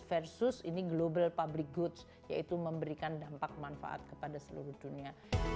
versus ini global public goods yaitu memberikan dampak manfaat kepada seluruh dunia